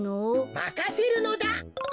まかせるのだ。